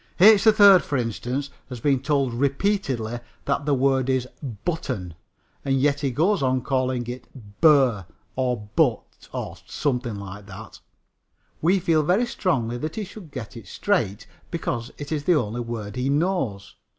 H. 3rd, for instance, has been told repeatedly that the word is "button," and yet he goes on calling it "bur" or "but" or something like that. We feel very strongly that he should get it straight, because it is the only word he knows.